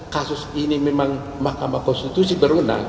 kasus ini memang mahkamah konstitusi berwenang